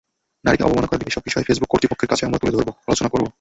নারীকে অবমাননাকর এসব বিষয় ফেসবুক কর্তৃপক্ষের কাছে আমরা তুলে ধরব, আলোচনা করব।